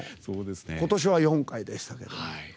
今年は４回でしたけど。